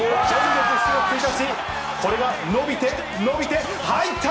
７月１日、これが伸びて、伸びて、入った！